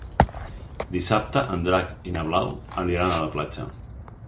Dissabte en Drac i na Blau aniran a la platja.